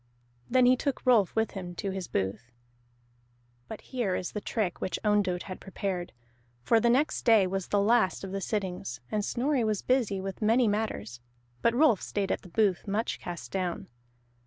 Then he took Rolf with him to his booth. But here is the trick which Ondott had prepared. For the next day was the last of the sittings, and Snorri was busy with many matters; but Rolf stayed at the booth, much cast down.